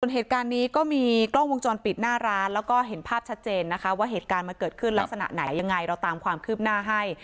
เหตุการณ์นี้ก็มีกล้องวงจรปิดหน้าร้านแล้วก็เห็นภาพชัดเจนนะคะว่าเหตุการณ์มันเกิดขึ้นลักษณะไหนยังไงเราตามความคืบหน้าให้